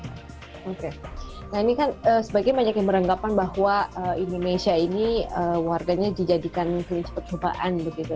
oke nah ini kan sebagian banyak yang beranggapan bahwa indonesia ini warganya dijadikan klinis percobaan begitu